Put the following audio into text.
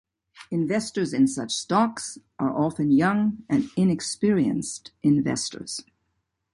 Investors in such stocks are often young and inexperienced investors.